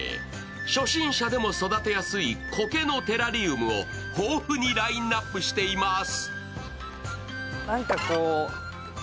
初心者でも育てやすいこけのテラリウムを豊富にラインナップしています。